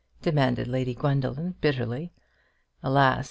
demanded Lady Gwendoline, bitterly. Alas!